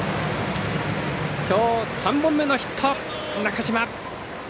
今日３本目のヒット、中島。